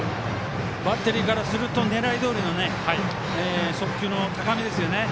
バッテリーからすると狙いどおりの速球の高めですよね。